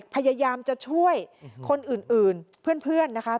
พยายามจะช่วยคนอื่นเพื่อนนะคะ